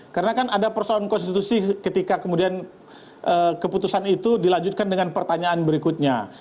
karena kan ada persoalan konstitusi ketika kemudian keputusan itu dilanjutkan dengan pertanyaan berikutnya